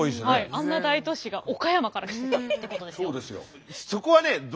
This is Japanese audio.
あんな大都市が岡山から来てたってことですよ。